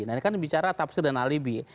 nah ini kan bicara tafsir dan alibi